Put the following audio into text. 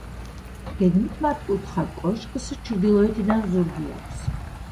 გეგმით მართკუთხა კოშკს ჩრდილოეთიდან ზურგი აქვს.